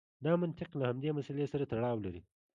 دا منطق له همدې مسئلې سره تړاو لري.